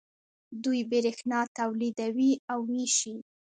دوی بریښنا تولیدوي او ویشي.